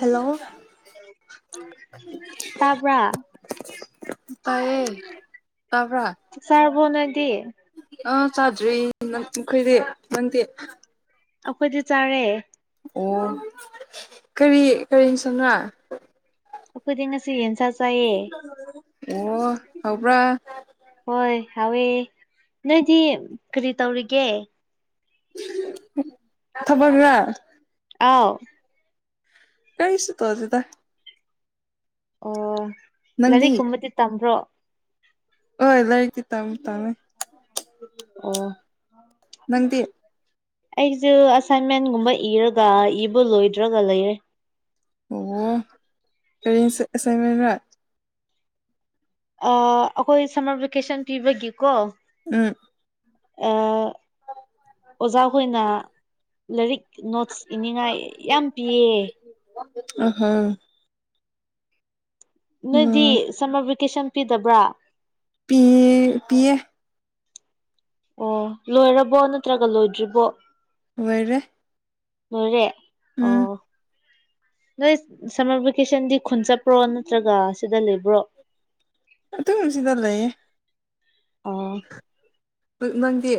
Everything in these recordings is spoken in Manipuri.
ꯍꯂꯣ ꯇꯥꯕꯥ ꯇꯥꯏꯌꯦ ꯇꯥꯕ꯭ꯔꯥ ꯆꯥꯛ ꯆꯗꯕ‌ꯣ ꯅ‌ꯣꯏꯗꯤ ꯑꯥ ꯆꯥꯗ꯭ꯔꯤ ꯅꯪꯈꯣꯏꯗꯤ ꯅꯪꯗꯤ ꯑꯩꯈꯣꯏꯗꯤ ꯆꯥꯔꯦ ꯑꯣ ꯀꯔꯤ ꯀꯔꯤ ꯏꯟꯁꯪꯔ ꯑꯩꯈꯣꯏꯗꯤ ꯉꯁꯤ ꯌꯦꯟꯁꯥ ꯆꯥꯏꯌꯦ ꯑꯣ ꯍꯥꯎꯕ꯭ꯔꯥ ꯍꯣꯏ ꯍꯥꯎꯋꯦ ꯅꯣꯏꯗꯤ ꯀꯔꯤ ꯇꯧꯔꯤꯒꯦ ꯊꯕꯛꯔꯥ ꯑꯥꯎ ꯀꯩꯁꯨ ꯇꯧꯗ‌ꯦꯗ ꯑꯣ ꯅꯪꯗꯤ ꯂꯥꯏꯔꯤꯛꯀꯨꯝꯕꯗꯤ ꯇꯝꯕ꯭ꯔꯣ ꯍꯣꯏ ꯂꯥꯏꯔꯤꯠ ꯇꯤ ꯇꯝ ꯇꯝꯃ‌ꯦ ꯑꯣ ꯅꯪꯗꯤ ꯑꯩꯁꯦ ꯑꯁꯥꯏꯟꯃꯦꯟꯒꯨꯝꯕ ꯏꯔꯒ ꯏꯕꯨ ꯂꯣꯏꯗ꯭ꯔꯒ ꯂꯩꯔꯦ ꯑꯣ ꯀꯔꯤꯁ ꯑꯦꯁꯥꯏꯟꯃꯦꯟꯔꯥ ꯑꯩꯈꯣꯏ ꯁꯝꯃꯔ ꯚꯦꯀꯦꯁꯟ ꯄꯤꯕꯒꯤꯀꯣ ꯎꯝ ꯑ ꯑꯣꯖꯥ ꯍꯣꯏꯅ ꯂꯥꯏꯔꯤꯛ ꯅꯣꯠꯁ ꯏꯅꯤꯡꯉꯥꯏ ꯌꯥꯝ ꯄꯤꯌꯦ ꯑꯍꯥ ꯅꯣꯏꯗꯤ ꯎꯝ ꯁꯝꯃꯔ ꯚꯦꯀꯦꯁꯟ ꯄꯤꯗꯕ꯭ꯔꯥ ꯄꯤ ꯄꯤꯌꯦ ꯑꯣ ꯂꯣꯏꯔꯕꯣ ꯅꯠꯇ꯭ꯔꯒ ꯂꯣꯏꯗ꯭ꯔꯤꯕꯣ ꯂ‌ꯣꯏꯔꯦ ꯂ‌ꯣꯏꯔꯦ ꯑꯣ ꯅꯣꯏ ꯁꯝꯃꯔ ꯚꯦꯀꯦꯁꯟꯗꯤ ꯈꯨꯟ ꯆꯠꯄ꯭ꯔꯣ ꯅꯠꯇ꯭ꯔꯒ ꯁꯤꯗ ꯂꯩꯕ꯭ꯔꯣ [unintelligible] ꯑꯗꯨꯝ ꯁꯤꯗ ꯂꯩꯌꯦ ꯑ ꯅꯪꯗꯤ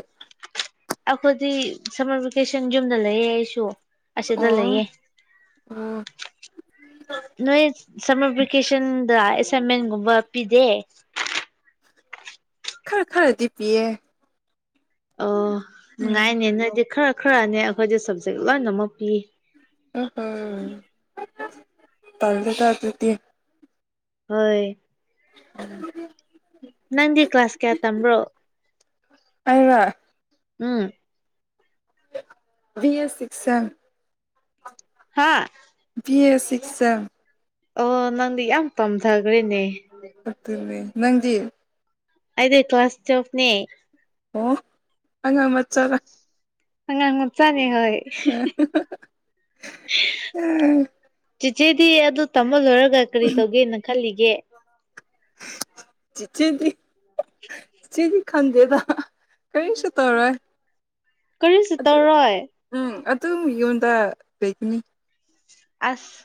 ꯑꯩꯈꯣꯏꯗꯤ ꯁꯝꯃꯔ ꯚꯦꯀꯦꯁꯟ ꯌꯨꯝꯗ ꯂꯩꯌꯦ ꯑꯩꯁꯨ ꯑꯁꯦꯗ ꯑꯣ ꯂꯩꯌꯦ ꯑꯣ ꯅꯣꯏ ꯁꯝꯃꯔ ꯚꯦꯀꯦꯁꯟꯗ ꯑꯦꯁꯥꯏꯟꯃꯦꯟꯒꯨꯝꯕ ꯄꯤꯗꯦ ꯈꯔ ꯈꯔꯗꯤ ꯄꯤꯌꯦ ꯑꯣ ꯎꯝ ꯅꯨꯡꯉꯥꯏꯅꯦ ꯅꯣꯏꯗꯤ ꯈꯔ ꯈꯔꯅꯦ ꯑꯩꯈꯣꯏꯗ ꯁꯞꯖꯦꯛ ꯂꯣꯏꯅꯃꯛ ꯄꯤ ꯑ‌ꯣ ꯍ‌ꯣ ꯇꯜꯂ‌ꯦꯗ ꯑꯗꯨꯗꯤ ꯍꯣꯏ [unintelligible] ꯅꯪꯗꯤ ꯀ꯭ꯂꯥꯁ ꯀꯌꯥ ꯇꯝꯕ꯭ꯔꯣ ꯑꯩꯔ‌ꯣ ꯎꯝ ꯕꯤ ꯑꯦ ꯁꯤꯛ ꯁ‌‌ꯦꯝ ꯍꯥꯥ ꯕꯤ ꯑꯦ ꯁꯤꯛ ꯁ‌ꯦꯝ ꯑꯣ ꯅꯪꯗꯤ ꯌꯥꯝ ꯇꯝꯊꯒ꯭ꯔꯦꯅꯦ ꯐꯠꯇ‌ꯦꯅꯦ ꯅꯪꯗꯤ ꯑꯗꯤ ꯀ꯭ꯂꯥꯁ ꯇꯨꯋ‌꯭‌ꯦꯜꯐ ꯅ‌ꯦ ꯑꯣ ꯑꯉꯥꯡ ꯃꯆꯥꯔꯥ ꯑꯉꯥꯡ ꯃꯆꯥꯅ‌ꯦ ꯍꯣꯏ ꯆꯤꯆꯦꯗꯤ ꯑꯗꯨ ꯇꯝꯕ ꯂꯣꯏꯔꯒ ꯀꯔꯤ ꯇꯧꯒꯦꯅ ꯈꯜꯂꯤꯒꯦ ꯆꯤꯆꯦꯗꯤ ꯆ‌ꯦꯗꯤ ꯈꯟꯗꯦꯗ ꯀꯔꯤꯁꯨ ꯇꯧꯔꯣꯏ ꯀꯔꯤꯁꯨ ꯑꯗꯨ ꯇꯧꯔꯣꯏ ꯎꯝ ꯑꯗꯨꯝ ꯌꯨꯝꯗ ꯂꯩꯒꯅꯤ ꯑꯁ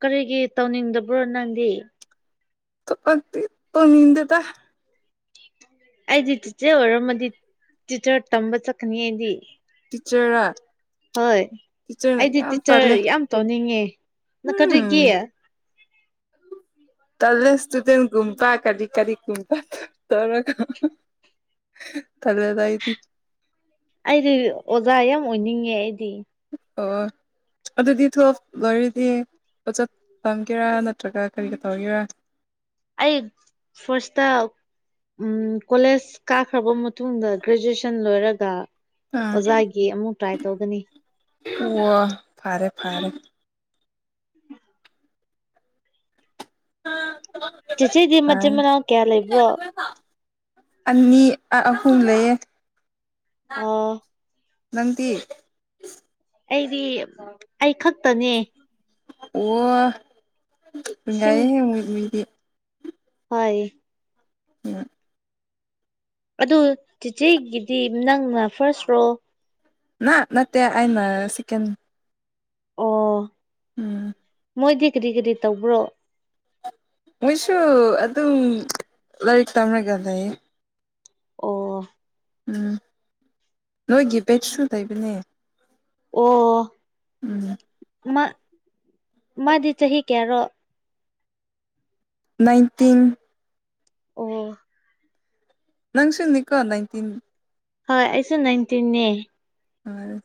ꯀꯔꯤꯒꯤ ꯇꯧꯅꯤꯡꯗꯕ꯭ꯔꯣ ꯅꯪꯗꯤ ꯄꯛꯇꯤ ꯇꯧꯅꯤꯡꯗꯦꯗ ꯑꯩꯗꯤ ꯆꯤꯆ‌ꯦ ꯑꯣꯏꯔꯝꯃꯗꯤ ꯇꯤꯆꯥꯔ ꯇꯝꯕ ꯆꯠꯀꯅꯤ ꯑꯩꯗꯤ ꯇꯤꯆꯥꯔ ꯔ‌ ꯍꯣꯏ ꯑꯩꯗꯤ ꯇꯤꯆꯥꯔ ꯇꯜꯂꯦ ꯌꯥꯝ ꯇꯧꯅꯤꯡꯉꯦ ꯅ ꯎꯝ ꯀꯔꯤꯒꯤ [inaudible] ꯇꯜꯂ‌ꯦ ꯏꯁꯇꯨꯗꯦꯟ ꯒꯨꯝ ꯇꯥꯛꯀꯅꯤ ꯀꯔꯤꯒꯨꯝꯄ ꯇꯧꯔꯒ ꯇꯜꯂ‌ꯦꯗ ꯑꯩꯗꯤ ꯑꯩꯗꯤ ꯑꯣꯖꯥ ꯌꯥꯝ ꯑꯣꯏꯅꯤꯡꯉꯦ ꯑꯩꯗꯤ ꯑꯣ ꯑꯗꯨꯗꯤ ꯇꯨꯋ‌ꯦ꯭ꯜꯐ ꯂ‌ꯣꯏꯔꯗꯤ ꯑ‌ꯣꯖꯥ ꯇꯝꯒꯦꯔꯥ ꯅꯠꯇ꯭ꯔꯒ ꯀꯔꯤꯒ ꯇꯧꯒꯦꯔꯥ ꯑꯩ ꯐꯥꯁ ꯇ ꯎꯝ ꯀꯣꯂꯦꯖ ꯀꯥꯈ꯭ꯔꯕ ꯃꯇꯨꯡꯗ ꯒ꯭ꯔꯦꯖꯨꯑꯦꯁꯟ ꯂꯣꯏꯔꯒ ꯑꯥ ꯑꯣꯖꯥꯒꯤ ꯑꯃꯨꯛ ꯇ꯭ꯔꯥꯏ ꯇꯧꯒꯅꯤ ꯑꯣ ꯐꯔꯦ ꯐꯔꯦ ꯆꯦꯆ‌ꯦꯗꯤ ꯃꯆꯤꯟ ꯐꯔꯦ ꯃꯅꯥꯎ ꯀꯌꯥ ꯂꯩꯕ꯭ꯔꯣ ꯑꯅꯤ ꯑꯍꯨꯝ ꯂꯩꯌ‌ꯦ ꯑ ꯅꯪꯗꯤ ꯑꯩꯗꯤ ꯑꯩ ꯈꯛꯇꯅꯦ ꯋꯥ ꯅꯨꯡꯉꯥꯏ ꯌ‌ꯦ ꯃ‌ꯣꯏ ꯃꯤꯗꯤ ꯍ‌ꯣꯏ ꯎꯝ ꯑꯗꯨ ꯆꯤꯆꯦꯒꯤꯗꯤ ꯅꯪꯅ ꯐꯥꯔꯁ꯭ꯔꯣ ꯅ ꯅꯠꯇ‌ꯦ ꯑꯩꯅ ꯁ‌ꯦꯛ‌ꯦꯟ ꯑꯣ ꯎꯝ ꯃꯣꯏꯗꯤ ꯀꯔꯤ ꯀꯔꯤ ꯇꯧꯕ꯭ꯔꯣ ꯃꯣꯏꯁꯨ ꯑꯗꯨꯝ ꯂꯥꯏꯔꯤꯛ ꯇꯝꯔꯒ ꯂꯩꯌꯦ ꯑꯣ ꯎꯝ ꯅꯣꯏꯒꯤ ꯕꯦꯠꯁꯨ ꯂꯩꯕꯅꯦ ꯑꯣ ꯎꯝ ꯃꯥ ꯃꯥꯗꯤ ꯆꯍꯤ ꯀꯌꯥꯔꯣ ꯅꯥꯏꯟꯇꯤꯟ ꯑꯣ ꯅꯪ ꯁꯨꯅꯤꯀꯣ ꯅꯥꯏꯟꯇꯤꯟ ꯍꯣꯏ ꯑꯩꯁꯨ ꯅꯥꯏꯟꯇꯤꯟꯅꯦ ꯍꫭꯏ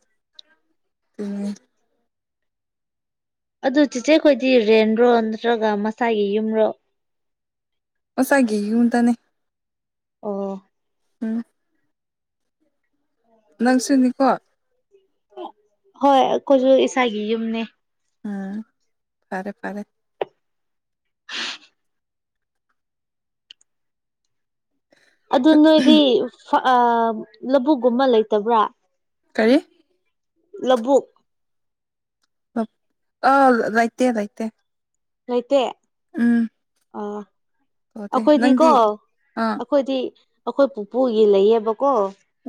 ꯎꯝ ꯑꯗꯨ ꯆꯦꯆꯦꯈꯣꯏꯗꯤ ꯔꯦꯟꯔꯣ ꯅꯠꯇ꯭ꯔꯒ ꯃꯁꯥꯒꯤ ꯌꯨꯝꯔꯣ ꯑꯣꯁꯥꯏꯒꯤ ꯌꯨꯝꯗꯅꯦ ꯑꯣ ꯎꯝ ꯅꯪꯁꯨꯅꯤꯀꯣ ꯍꯣꯏ ꯑꯩꯈꯣꯏꯁꯨ ꯏꯁꯥꯒꯤ ꯌꯨꯝꯅꯦ ꯑꯥ ꯐꯔꯦ ꯐꯔꯦ [unintelligible] ꯑꯗꯨ ꯅꯣꯏꯗꯤ ꯂꯧꯕꯨꯛꯀꯨꯝꯕ ꯂꯩꯇꯕ꯭ꯔꯥ ꯀꯔꯤ ꯂꯧꯕꯨꯛ ꯑ ꯂꯩꯥꯇꯦ ꯂꯩꯇꯦ ꯂꯩꯇ‌ꯦ ꯎꯝ ꯑꯥ ꯇꯧꯗꯦ ꯑꯩꯈꯣꯏꯗꯤ ꯀꯣ ꯅꯪꯗꯤ ꯑꯥ ꯑꯩꯈꯣꯏꯗꯤ ꯑꯩꯈꯣꯏ ꯄꯨꯄꯨꯒꯤ ꯂꯩꯌꯦꯕꯀꯣ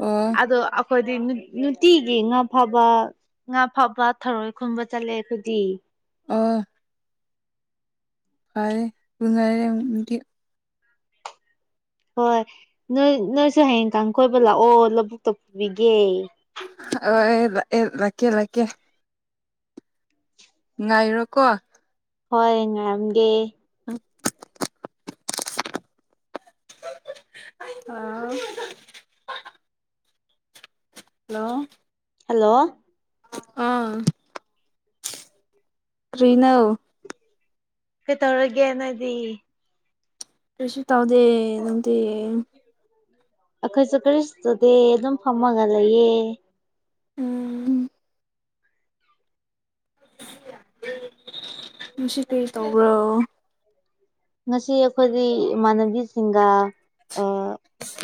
ꯎꯝ ꯑꯗꯣ ꯑꯩꯈꯣꯏꯗꯤ ꯅꯨꯡꯇꯤꯒꯤ ꯉꯥꯐꯕ ꯉꯥ ꯐꯥꯎꯕ ꯊꯔꯣꯏ ꯈꯨꯝꯕ ꯆꯠꯂꯦ ꯑꯩꯈꯣꯏꯗꯤ ꯑꯥ [unintelligible] ꯍꯣꯏ ꯅꯣꯏ ꯅꯣꯏꯁꯨ ꯍꯌꯦꯡ ꯀꯥꯡ ꯀꫭꯏꯕ ꯂꯥꯛꯑꯣ ꯂꯧꯕꯨꯛꯇ ꯄꯨꯕꯤꯒꯦ ꯑꯣ ꯂꯥꯛꯀꯦ ꯂꯥꯛꯀꯦ ꯉꯥꯏꯔꯣꯀꯣ ꯍꯣꯏ ꯉꯥꯏꯔꯝꯒꯦ [unintelligible] [unintelligible] ꯍꯜꯂꯣ ꯍꯜꯂꯣ ꯑꯥ ꯀ꯭ꯔꯤꯅꯣ ꯀꯩꯇꯧꯔꯤꯒꯦ ꯅꯣꯏꯗꯤ ꯀꯔꯤꯁꯨ ꯇꯧꯗꯦ ꯅꯪꯗꯤ ꯑꯩꯈꯣꯏꯁꯨ ꯀꯔꯤꯁꯨ ꯇꯧꯗꯦ ꯑꯗꯨꯝ ꯐꯝꯃꯒ ꯂꯩꯌꯦ ꯎꯝ ꯉꯁꯤ ꯀꯔꯤꯇꯧꯕ꯭ꯔꯣ ꯉꯁꯤ ꯑꯩꯈꯣꯏꯗꯤ ꯏꯃꯥꯟꯅꯕꯤꯁꯤꯡꯒ ꯑꯥ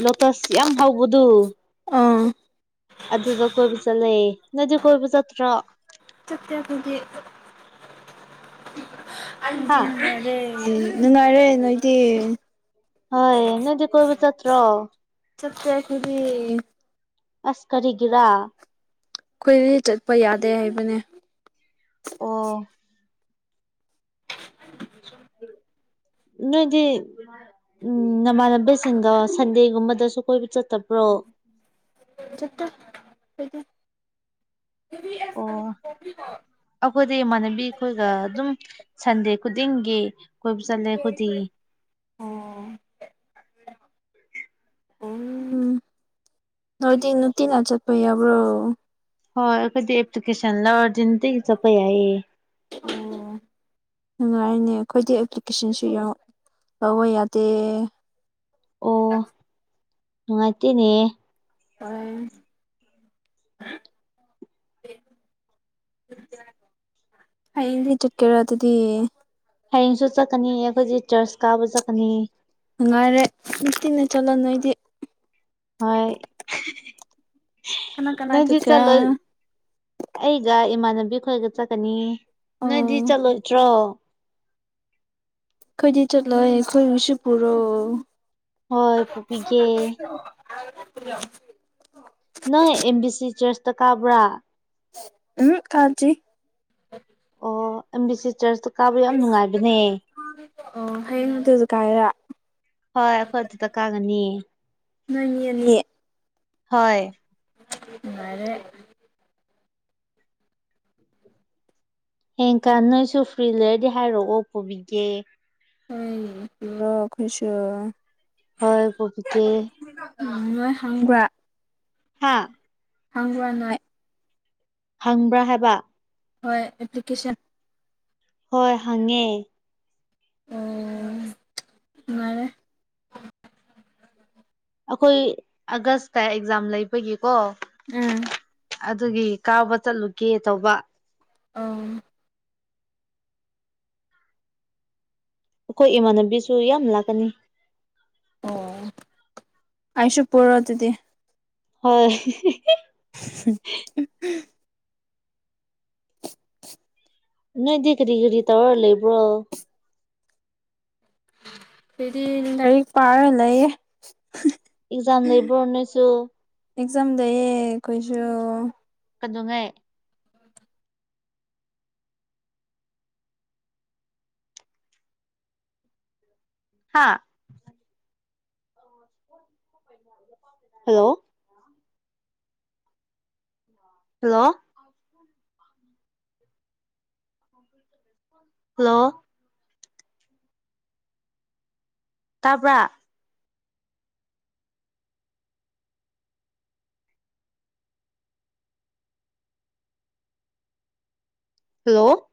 ꯂꯣꯇꯁ ꯌꯥꯝ ꯍꯧꯕꯗꯨ ꯑꯧ ꯑꯗꯨꯗꫭ ꯀꯣꯏꯕ ꯆꯠꯂꯦ ꯅꯪꯗꯤ ꯀꯣꯏꯕ ꯆꯠꯇ꯭ꯔꯣ ꯍꯥ [unintelligible] ꯅꯨꯡꯉꯥꯏꯔꯦ ꯅꯣꯏꯗꯤ ꯍꯣꯏ ꯅꯣꯏꯗꯤ ꯀꯣꯏꯕ ꯆꯠꯇ꯭ꯔꯣ ꯆꯠꯇ‌ꯦ ꯑꯩꯈꯣꯏꯗꯤ ꯑꯁ ꯀꯔꯤꯒꯤꯔꯥ ꯑꯩꯈꯣꯏꯗꯤ ꯆꯠꯄ ꯌꯥꯗꯦ ꯍꯥꯏꯕꯅꯦ ꯑꯣ ꯅꯣꯏꯗꯤ ꯎꯝ ꯅꯃꯥꯟꯅꯕꯤꯁꯤꯡꯗꯣ ꯁꯟꯗꯦꯒꯨꯝꯕꯗꯁꯨ ꯀꯣꯏꯕ ꯆꯠꯇꯕ꯭ꯔꯣ ꯆꯠꯇꯦ ꯑꯣ [unintelligible] [inaudible] ꯑꯩꯈꯣꯏꯗꯤ ꯏꯃꯥꯟꯅꯕꯤ ꯑꯩꯈꯣꯏꯒ ꯑꯗꯨꯝ ꯁꯟꯗꯦ ꯈꯨꯗꯤꯡꯒꯤ ꯀꯣꯏꯕ ꯆꯠꯂꯦ ꯑꯩꯗꯤ ꯎꯝ ꯅꯣꯏꯗꯤ ꯇꯤꯟ ꯍꯥ ꯆꯔꯄꯌ ꯌꯥꯕ꯭ꯔꯣ ꯍꯣꯏ ꯀꯗꯤ ꯑꯦꯄ꯭ꯂꯤꯀꯦꯁꯟ ꯂ ꯑꯣꯖꯟꯇ ꯆ ꯀꯩꯌꯦ [unintelligible] [inaudible] ꯅꯨꯡꯉꯥꯏꯔꯤꯅꯦ ꯑꯩꯈꯣꯏꯗꯤ ꯑꯦꯄ꯭ꯂꯤꯀꯦꯁꯟꯁꯨ ꯂꯧꯕ ꯌꯥꯗꯦ ꯑꯣ ꯃꯥꯇꯅꯦ ꯑ [unintelligible] [inaudible] ꯑꯗꯤ ꯆꯀꯦꯔ ꯑꯗꯨꯗꯤ ꯍꯌꯦꯡꯁꯨ ꯆꯠꯀꯅꯤ ꯑꯩꯈꯣꯏꯁꯦ ꯆꯔꯆ ꯀꯥꯕ ꯆꯠꯀꯅꯤ ꯅꯨꯡꯉꯥꯏꯔꯦ ꯅꯨꯡꯇꯤꯟꯅ ꯆꯠꯂ ꯅꯣꯏꯗꯤ ꯍꯣꯏ ꯀꯅꯥ ꯀꯅꯥ ꯅꯗꯤ ꯆꯠꯀꯦꯔꯥ ꯆꯂꯣ ꯑꯩꯒ ꯏꯃꯥꯟꯅꯕꯤ ꯈꯣꯏꯒ ꯆꯠꯀꯅꯤ ꯅꯣꯏꯗꯤ ꯑꯣ ꯆꯠꯂꯣꯏꯗ꯭ꯔꯣ ꯀꯣꯏꯗꯤ ꯆꯠꯂꯦ ꯑꯩ ꯈꯣꯏ ꯎꯁꯨ ꯄꯨꯔꯣ ꯍꯣꯏ ꯄꯄꯤꯒꯦ ꯄꯨꯣ [unintelligible] [inaudible] ꯅꯪ ꯑꯦꯝ ꯕꯤ ꯁꯤ ꯆꯔꯆꯇ ꯀꯥꯕ꯭ꯔꯥ ꯎꯝ ꯀꯜꯁꯤ ꯑꯣ ꯑꯦꯝꯕꯤꯁꯤ ꯆꯔꯆꯇꯣ ꯀꯥꯕꯗ ꯌꯥꯝ ꯅꯨꯡꯉꯥꯏꯕꯅꯦ ꯑꯣ ꯍꯌꯦ ꯇꯦ ꯑꯗꯨ ꯀꯥꯏꯔ [inaudible] ꯍꯣꯏ ꯑꯩꯈꯣꯏ ꯑꯗꯨꯗ ꯀꯥꯒꯅꯤ ꯅꯪꯅꯦꯅꯦꯌꯦ [inaudible] [unintelligible] ꯍꯣꯏ [unintelligible] [inaudible] ꯔꯦ [unintelligible] [inaudible] ꯍꯌꯦꯡꯀꯥꯟ ꯅꯣꯏꯁꯨ ꯐ꯭ꯔꯤ ꯂꯩꯔꯗꯤ ꯍꯥꯏꯔꯛꯑꯣ ꯄꯨꯕꯤꯒꯦ ꯑꯩ ꯄꯨꯔ ꯈꯨꯁꯨ ꯍꯣꯏ ꯀꯕꯤ ꯀꯦ ꯎ ꯅꯣꯏ ꯍꯪꯕ꯭ꯔꯥ ꯍꯥꯥ [unintelligible] [inaudible] ꯍꯪ꯭ꯔꯅꯥ [inaudible] [unintelligible] ꯍꯪꯕ꯭ꯔꯥ ꯍꯥꯏꯕ ꯍꯣꯏ ꯑꯦꯄ꯭ꯂꯤꯀꯦꯁꯟ ꯍꯣꯏ ꯍꯪꯉꯦ ꯑꯣ ꯃꯥꯅꯦ ꯑꯩꯈꯣꯏ ꯑꯥꯒꯁꯇ ꯑꯦꯛꯖꯥꯝ ꯂꯩꯕꯒꯤꯀꯣ ꯎꯝ [unintelligible] [inaudible] ꯑꯗꯨꯒꯤ ꯀꯥꯎꯕ ꯆꯠꯂꯨꯒꯦ ꯇꯧꯕ ꯑꯪ [unintelligible] [inaudible] ꯑꯩꯈꯣꯏ ꯏꯃꯥꯟꯅꯕꯤꯁꯨ ꯌꯥꯝ ꯂꯥꯛꯀꯅꯤ ꯑꯣ ꯑꯩꯁꯨ ꯄꯔꯣ ꯑꯗꯨꯗꯤ ꯍꯣꯏ [unintelligible] [inaudible] [unintelligible] [inaudible] ꯅꯣꯏꯗꯤ ꯀꯔꯤ ꯀꯔꯤ ꯇꯧꯔ ꯂꯩꯕ꯭ꯔꯣ ꯍꯥꯏꯗꯤ ꯂꯥꯏꯔꯤꯛ ꯄꯥꯔ ꯂꯩꯌꯦ ꯑꯦꯛꯖꯥꯝ ꯂꯩꯕ꯭ꯔꯣꯅꯁꯨ ꯑꯦꯛꯖꯥꯝꯗꯌꯦ ꯀꯩꯁꯨ ꯀꯗꯣꯉꯩ [inaudible] ꯍꯥꯥ [unintelligible] [inaudible] ꯄ [unintelligible] [inaudible] ꯍꯜꯂꯣ ꯍꯜꯂꯣ ꯨꯔ ꯍꯜꯂꯣ ꯇꯥꯕ꯭ꯔꯥ ꯍꯜꯂꯣ